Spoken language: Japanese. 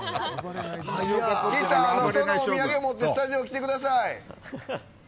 岸さん、そのお土産持ってスタジオ来てください。